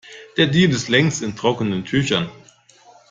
Der Deal ist längst in trockenen Tüchern.